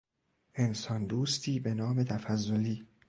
انسان دوستی بنام تفضلی